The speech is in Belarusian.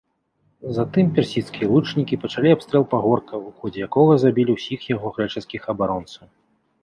Затым персідскія лучнікі пачалі абстрэл пагорка, у ходзе якога забілі ўсіх яго грэчаскіх абаронцаў.